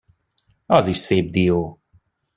Az is szép dió.